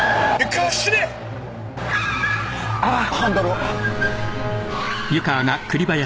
ああ。